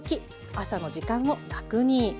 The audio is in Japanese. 朝の時間を楽に」。